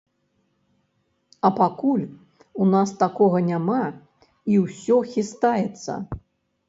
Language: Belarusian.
А пакуль у нас такога няма і ўсё хістаецца.